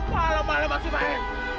malam malam masih main